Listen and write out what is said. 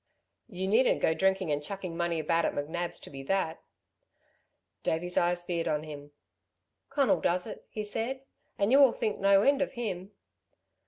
"You needn't go drinking and chucking money about at McNab's to be that " Davey's eyes veered on him. "Conal does it," he said. "And you all think no end of him."